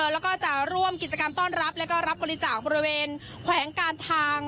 แล้วก็จะร่วมกิจกรรมต้อนรับแล้วก็รับบริจาคบริเวณแขวงการทาง